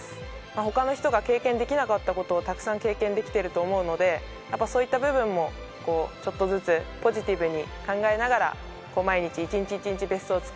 他の人が経験できなかった事もたくさん経験できていると思うのでやっぱりそういった部分もちょっとずつポジティブに考えながら毎日夢への言葉を胸にハブアドリーム！